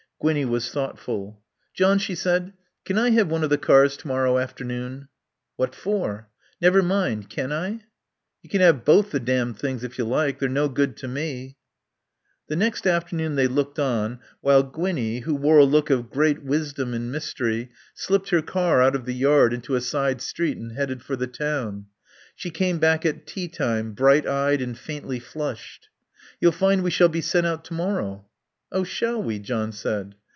Gwinnie was thoughtful. "John," she said, "can I have one of the cars to morrow afternoon?" "What for?" "Never mind. Can I?" "You can have both the damned things if you like; they're no good to me." The next afternoon they looked on while Gwinnie, who wore a look of great wisdom and mystery, slipped her car out of the yard into a side street and headed for the town. She came back at tea time, bright eyed and faintly flushed. "You'll find we shall be sent out to morrow." "Oh, shall we!" John said.